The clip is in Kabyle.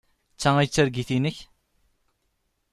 D ta ay d targit-nnek?